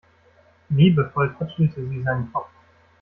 Liebevoll tätschelte sie seinen Kopf.